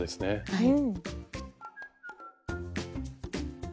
はい。